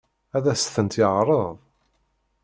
Ad as-tent-yeɛṛeḍ?